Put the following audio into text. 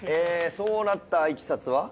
そうなったいきさつは？